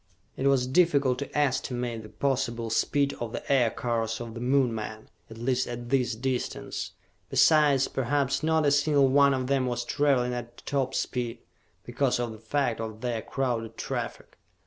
It was difficult to estimate the possible speed of the Aircars of the Moon men, at least at this distance. Besides, perhaps not a single one of them was traveling at top speed, because of the fact of their crowded traffic.